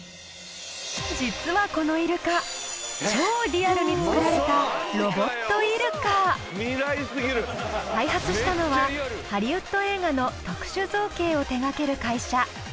実はこのイルカ超リアルに作られた開発したのはハリウッド映画の特殊造形を手がける会社。